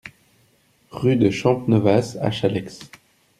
Rue de Champnovaz à Challex